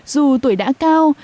dù tuổi đã cao